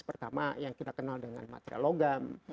pertama yang kita kenal dengan material logam